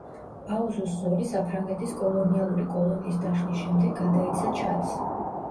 აუზუს ზოლი საფრანგეთის კოლონიალური კოლონიის დაშლის შემდეგ გადაეცა ჩადს.